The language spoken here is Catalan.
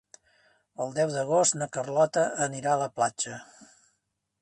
El deu d'agost na Carlota anirà a la platja.